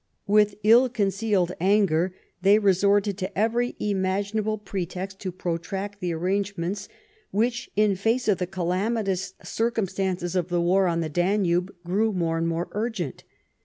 With ill concealed anger they resorted to every imaginable pretext to protract the arrangements which, in face of the calamitous circumstances of the war on the Danube, grew more and more urgent."